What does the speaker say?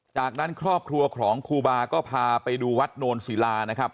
จากนั้นครอบครัวของครูบาก็พาไปดูวัดโนนศิลานะครับ